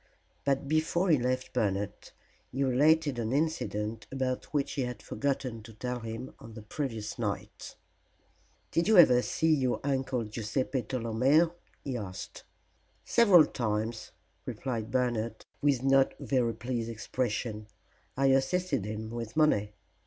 But before he left Bernard he related an incident about which he had forgotten to tell him on the previous night. "Did you ever see your Uncle Guiseppe Tolomeo?" he asked. "Several times," replied Bernard, with no very pleased expression. "I assisted him with money."